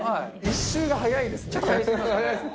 １周が早いですね。